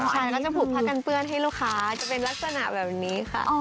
ใช่ก็จะผูกผ้ากันเปื้อนให้ลูกค้าจะเป็นลักษณะแบบนี้ค่ะ